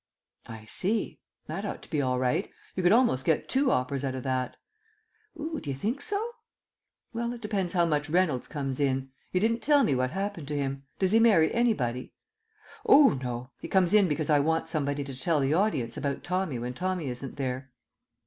"I see. That ought to be all right. You could almost get two operas out of that." "Oo, do you think so?" "Well, it depends how much Reynolds comes in. You didn't tell me what happened to him. Does he marry anybody?" "Oo, no. He comes in because I want somebody to tell the audience about Tommy when Tommy isn't there."